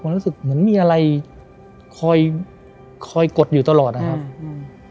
รู้สึกเหมือนมีอะไรคอยคอยกดอยู่ตลอดนะครับอืม